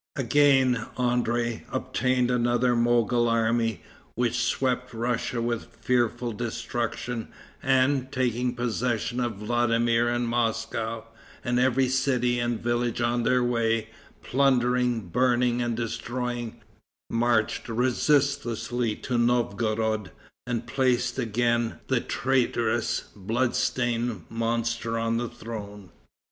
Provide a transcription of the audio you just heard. Again André obtained another Mogol army, which swept Russia with fearful destruction, and, taking possession of Vladimir and Moscow, and every city and village on their way, plundering, burning and destroying, marched resistlessly to Novgorod, and placed again the traitorous, blood stained monster on the throne.